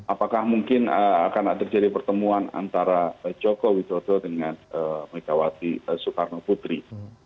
apakah mungkin akan terjadi pertemuan antara joko widodo dengan megawati soekarno putri